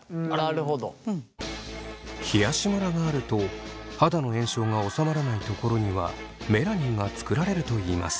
冷やしムラがあると肌の炎症がおさまらない所にはメラニンが作られるといいます。